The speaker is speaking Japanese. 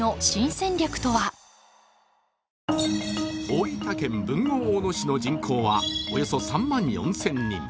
大分県豊後大野市の人口はおよそ３万４０００人。